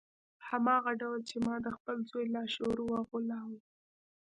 هماغه ډول چې ما د خپل زوی لاشعور وغولاوه